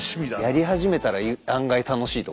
やり始めたら案外楽しいとか。